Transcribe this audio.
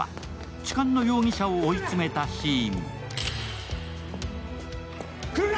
痴漢の容疑者を追い詰めたシーン。来るな！